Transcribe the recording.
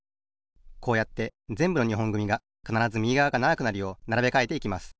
こうやってぜんぶの２ほんぐみがかならずみぎがわがながくなるようならべかえていきます。